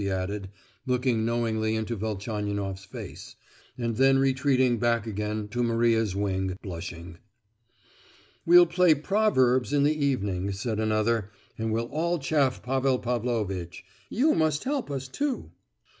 she added, looking knowingly into Velchaninoff's face, and then retreating back again to Maria's wing, blushing. "We'll play 'Proverbs' in the evening," said another, "and we'll all chaff Pavel Pavlovitch; you must help us too!"